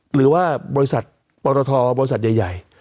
หรือว่าบริษัทปรฏฐธรปริศนลบริษัทใหญ่